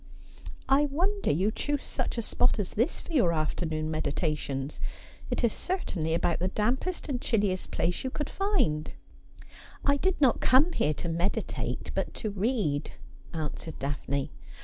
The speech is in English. ' I wonder you choose such a spot as this for your afternoon N 194 Asphodel, meditations. It is certainly about the dampest and chilliest place you could find.' ' I did not come here to meditate, but to read,' answered Daphne.